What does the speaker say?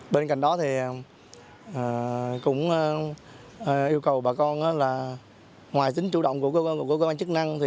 bên cạnh đó thì cũng yêu cầu bà con là ngoài tính chủ động của cơ quan chức năng